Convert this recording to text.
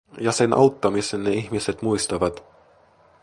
Ja sen auttamisen ne ihmiset muistavat.